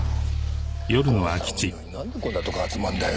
この寒いのになんでこんなとこ集まるんだよ。